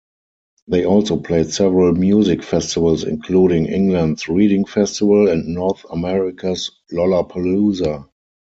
They also played several music festivals including England's Reading Festival and North America's Lollapalooza.